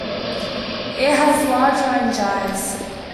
It has large orange eyes.